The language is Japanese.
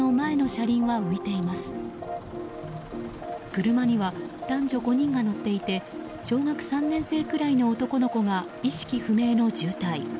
車には、男女５人が乗っていて小学３年生くらいの男の子が意識不明の重体。